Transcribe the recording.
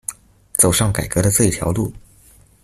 走上改革的這一條路